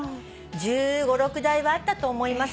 「１５１６台はあったと思います。